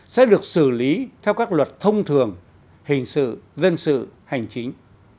sẽ được xử lý theo các luật thông thường hình sự dân sự hành chính